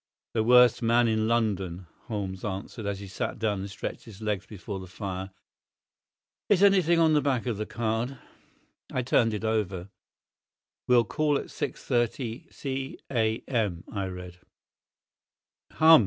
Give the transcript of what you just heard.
"The worst man in London," Holmes answered, as he sat down and stretched his legs before the fire. "Is anything on the back of the card?" I turned it over. "Will call at 6.30—C.A.M.," I read. "Hum!